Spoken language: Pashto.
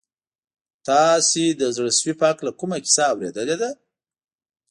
تاسو د زړه سوي په هکله کومه کیسه اورېدلې ده؟